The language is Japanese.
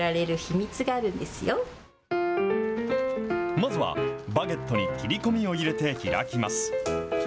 まずはバゲットに切り込みを入れて開きます。